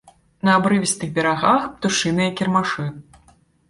На абрывістых берагах птушыныя кірмашы.